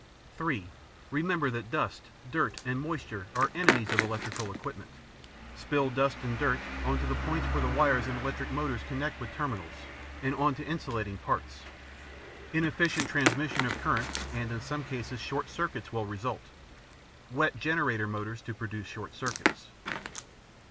(3) Remember that dust, dirt, and moisture are enemies of electrical equipment. Spill dust and dirt onto the points where the wires in electric motors connect with terminals, and onto insulating parts. Inefficient transmission of current and, in some cases, short circuits will result. Wet generator motors to produce short circuits.